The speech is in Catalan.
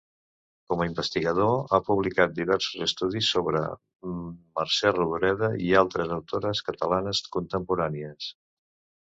Com a investigador, ha publicat diversos estudis sobre Mercè Rodoreda i altres autores catalanes contemporànies.